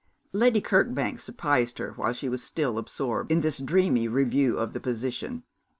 Lady Kirkbank surprised her while she was still absorbed in this dreamy review of the position.